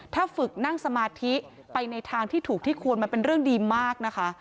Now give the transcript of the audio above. ถ้าฝึกนั่งสมาธิไปในทางที่ถูกที่ควรมันเป็นเรื่องดีมากนะคะ